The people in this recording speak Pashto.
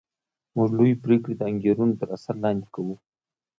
موږ لویې پرېکړې د انګېرنو تر اثر لاندې کوو